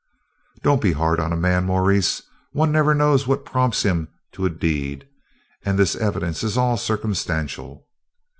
"Don't be hard on a man, Maurice; one never knows what prompts him to a deed. And this evidence is all circumstantial."